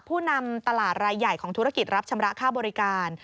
ผู้นำตลาดรายใหญ่ของธุรกิจรับชำระค่าบริการ